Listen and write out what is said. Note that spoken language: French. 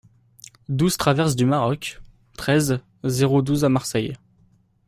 douze traverse du Maroc, treize, zéro douze à Marseille